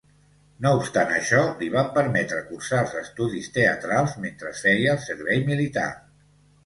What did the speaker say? No obstant això, li van permetre cursar els estudis teatrals mentre feia el servei militar.